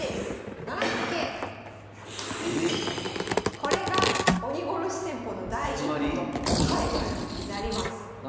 これが鬼殺し戦法の第一歩と始まり？